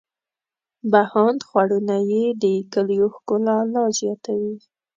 بهاند خوړونه یې د کلیو ښکلا لا زیاتوي.